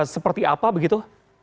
seperti apa begitu